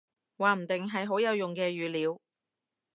話唔定，係好有用嘅語料